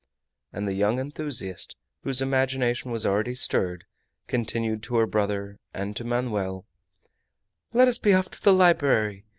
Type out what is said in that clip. And the young enthusiast, whose imagination was already stirred, continued to her brother and to Manoel: "Let us be off to the library!